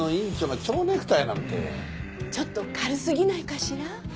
ちょっと軽すぎないかしら？